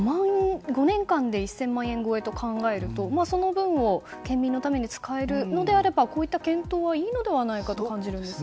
５年間で１０００万円超えと考えるとその分を県民のために使えるのであればこういった検討はいいのではないかと感じますが。